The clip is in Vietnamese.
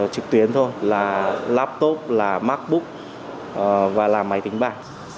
trực tuyến thôi là laptop là macbook và là máy tính bảng